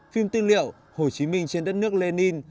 phim tư liệu hồ chí minh trên đất nước lê ninh